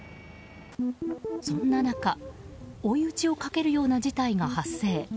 そんな中、追い打ちをかけるような事態が発生。